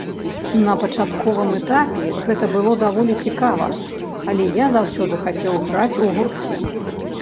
На пачатковым этапе гэта было даволі цікава, але я заўсёды хацеў граць у гурце.